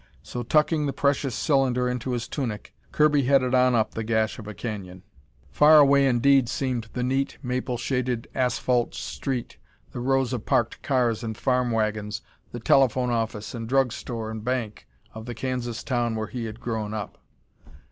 So, tucking the precious cylinder into his tunic, Kirby headed on up the gash of a canyon. Far away indeed seemed the neat, maple shaded asphalt street, the rows of parked cars and farm wagons, the telephone office and drug store and bank, of the Kansas town where he had grown up.